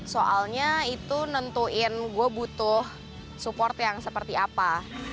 soalnya itu nentuin gue butuh support yang seperti apa